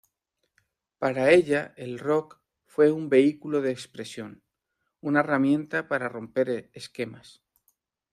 Para ella el rock fue un vehículo de expresión, una herramienta para romper esquemas.